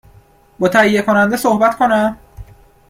با تهیه کننده صحبت کنم ؟